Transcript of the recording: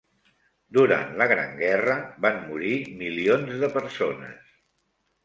Durant la Gran Guerra van morir milions de persones